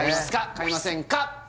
買いませんか？